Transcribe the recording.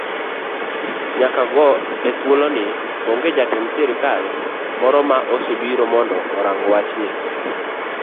Nyaka go e thuoloni onge jatend sirikal moro ma osebiro mondo orang wachni.